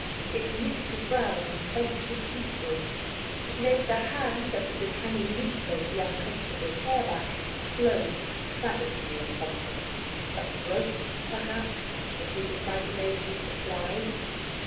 It knitted his brows and clenched his teeth for him. It made the hand that had been hanging loose over the uncomfortable chair back close savagely on something a throat, perhaps, that his imagination supplied?